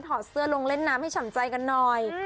อดเสื้อลงเล่นน้ำให้ฉ่ำใจกันหน่อย